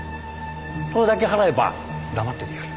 それだけ払えば黙っててやる。